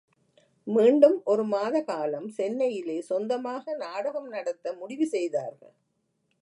மீண்டும் ஒரு மாத காலம் சென்னையிலே சொந்தமாக நாடகம் நடத்த முடிவு செய்தார்கள்.